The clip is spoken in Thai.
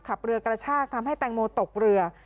ขับเรือกระชากทำให้แตงโมตกเรือ